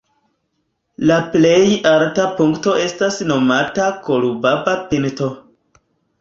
La plej alta punkto estas nomata "Kolubaba"-pinto.